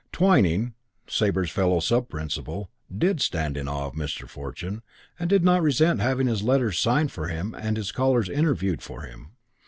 Twyning, Sabre's fellow sub principal, did stand in awe of Mr. Fortune and did not resent having his letters signed for him and his callers interviewed for him.